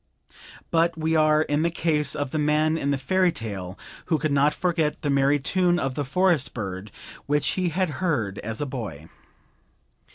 But we are in the case of the man in the fairy tale who could not forget the merry tune of the forest bird which he had heard as a boy.